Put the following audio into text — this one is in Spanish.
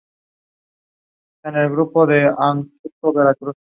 De acuerdo a las crónicas de Indias la tarea no fue nada fácil.